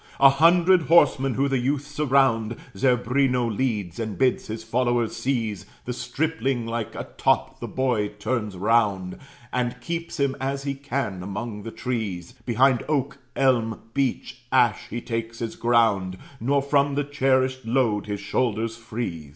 A hundred horsemen who the youth surround, Zerbino leads, and bids his followers seize The stripling; like a top the boy turns round And keeps him as he can: among the trees, Behind oak, elm, beech, ash, he takes his ground, Nor from the cherished load his shoulders frees.